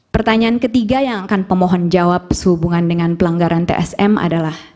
pertanyaan ketiga yang akan pemohon jawab sehubungan dengan pelanggaran tsm adalah